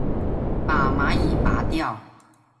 把蚂蚁拨掉